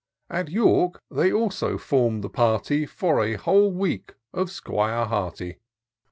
At York they also form'd the party. For a whole week, of 'Squire Hearty.